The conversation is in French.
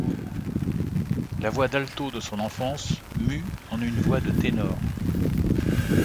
La voix d'alto de son enfance mue en une voix de ténor.